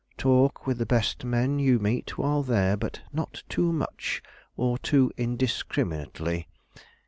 Talk with the best men you meet while there; but not too much, or too indiscriminately.